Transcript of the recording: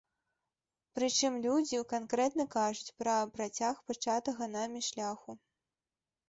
Прычым людзі канкрэтна кажуць пра працяг пачатага намі шляху.